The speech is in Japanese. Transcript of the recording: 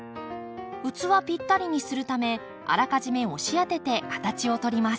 器ぴったりにするためあらかじめ押し当てて形を取ります。